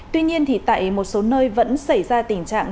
tuy nhiên tại một số nơi vẫn xảy ra tình trạng